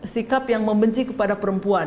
sikap yang membenci kepada perempuan